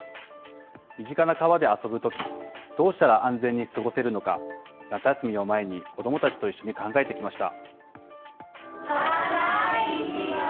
身近な川で遊ぶときどうしたら安全に過ごせるのか、夏休みを前に子どもたちと一緒に考えてきました。